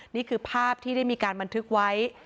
นี่คือภาพที่ได้มีการบันทึกไว้